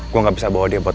gue gak bisa bawa dia